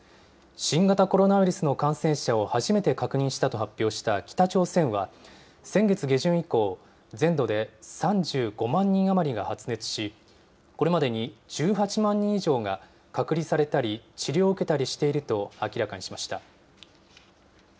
新型コロナウイルスの感染者を初めて確認したと発表した北朝鮮は、先月下旬以降、全土で３５万人余りが発熱し、これまでに１８万人以上が隔離されたり治療を受けたりしていると明らかにしました。